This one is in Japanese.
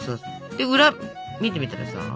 で裏見てみたらさ。